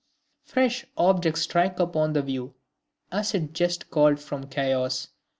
Fresh objects strike upon the view, as if just called from chaos.